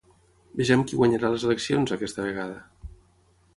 Vejam qui guanyarà les eleccions, aquesta vegada.